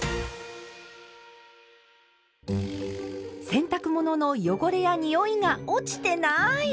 洗濯物の汚れやにおいが落ちてない！